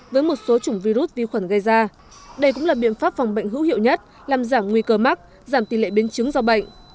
với một số chủng virus vi khuẩn gây ra đây cũng là biện pháp phòng bệnh hữu hiệu nhất làm giảm nguy cơ mắc giảm tỷ lệ biến chứng do bệnh